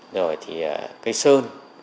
rồi thì cây sơn